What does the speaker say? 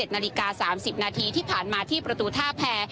นาฬิกา๓๐นาทีที่ผ่านมาที่ประตูท่าแพร